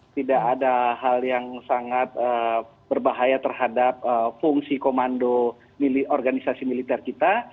tidak ada hal yang sangat berbahaya terhadap fungsi komando organisasi militer kita